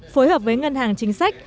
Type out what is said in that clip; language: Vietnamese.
phối hợp với ngân hàng chính xác